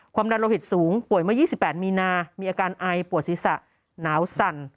ดันโลหิตสูงป่วยเมื่อ๒๘มีนามีอาการไอปวดศีรษะหนาวสั่น